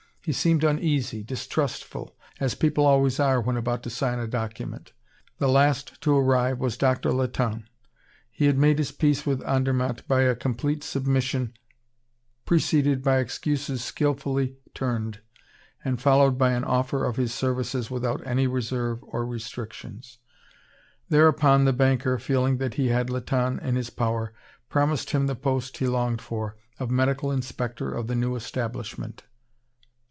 He seemed uneasy, distrustful, as people always are when about to sign a document. The last to arrive was Doctor Latonne. He had made his peace with Andermatt by a complete submission preceded by excuses skillfully turned, and followed by an offer of his services without any reserve or restrictions. Thereupon, the banker, feeling that he had Latonne in his power, promised him the post he longed for, of medical inspector of the new establishment.